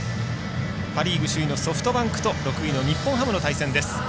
パ・リーグ首位のソフトバンクと６位の日本ハムの対戦です。